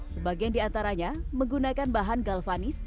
sebagian di antaranya menggunakan bahan galvanis